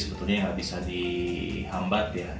sebetulnya gak bisa di hambat ya